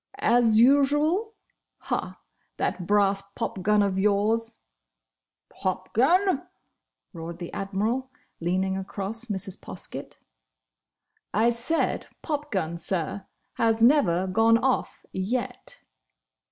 "As usual!—Ha! That brass popgun of yours—" "Popgun!—" roared the Admiral, leaning across Mrs. Poskett. "I said popgun, sir!—has never gone off, yet!"